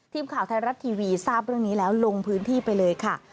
ทีมข่าวไทยรัฐทีวีทราบเรื่องนี้แล้วลงพื้นที่ไปเลยค่ะ